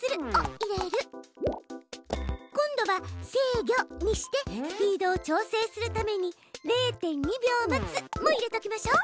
今度は「制御」にしてスピードを調整するために「０．２秒待つ」も入れときましょう。